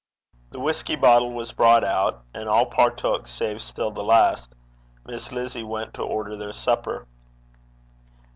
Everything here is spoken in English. The whisky bottle was brought out, and all partook, save still the last. Miss Lizzie went to order their supper.